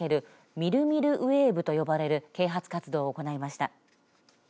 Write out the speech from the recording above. ミルミルウェーブと呼ばれる啓発活動を行いました。